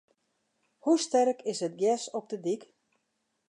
Hoe sterk is it gjers op de dyk?